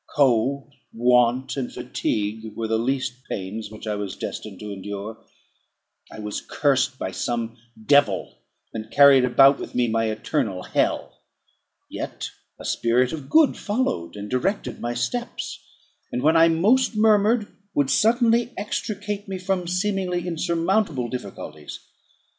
Cold, want, and fatigue, were the least pains which I was destined to endure; I was cursed by some devil, and carried about with me my eternal hell; yet still a spirit of good followed and directed my steps; and, when I most murmured, would suddenly extricate me from seemingly insurmountable difficulties.